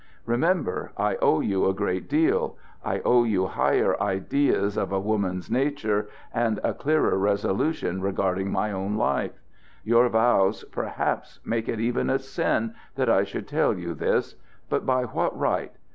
Remember, I owe you a great deal. I owe you higher ideas of a woman's nature and clearer resolutions regarding my own life. Your vows perhaps make it even a sin that I should tell you this. But by what right?